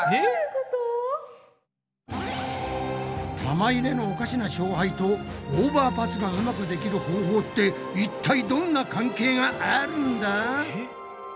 玉入れのおかしな勝敗とオーバーパスがうまくできる方法っていったいどんな関係があるんだ？